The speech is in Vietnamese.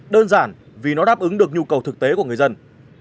đơn giản vì nó đáp ứng được nhu cầu thực tế của người dân